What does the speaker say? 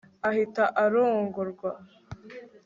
ahita arongorwa